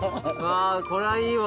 これはいいわ。